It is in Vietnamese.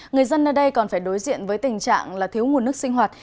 người dân ở đây còn phải đối diện với tình trạng là thiếu nguồn nước sinh hoạt